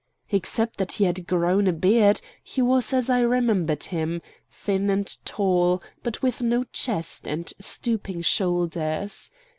Except that he had grown a beard, he was as I remembered him, thin and tall, but with no chest, and stooping shoulders.